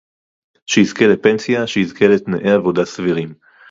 שיזכה לפנסיה, שיזכה לתנאי עבודה סבירים